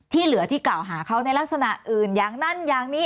ที่เหลือที่กล่าวหาเขาในลักษณะอื่นอย่างนั้นอย่างนี้